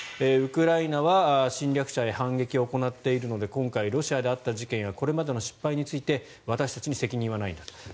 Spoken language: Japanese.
ウクライナは侵略者へ反撃を行っているので今回ロシアであった事件やこれまでの失敗について私たちに責任はないと。